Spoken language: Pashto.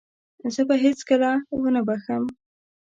زه به هغه هيڅکله ونه وبښم.